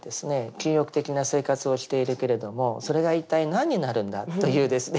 禁欲的な生活をしているけれどもそれが一体何になるんだというですね